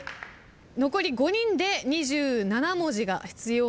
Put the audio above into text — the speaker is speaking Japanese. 残り５人で２７文字が必要なので。